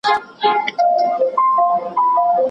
ایا پوهیږئ کوم کتاب مو لپاره مناسب دی؟